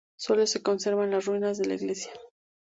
Solo se conservan las ruinas de la iglesia.